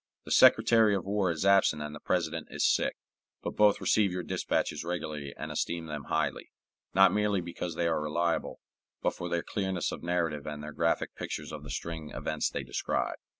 The Secretary of War is absent and the President is sick, but both receive your dispatches regularly and esteem them highly, not merely because they are reliable, but for their clearness of narrative and their graphic pictures of the stirring events they describe.